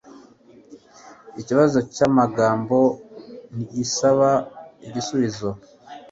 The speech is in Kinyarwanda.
Ikibazo cyamagambo ntigisaba igisubizo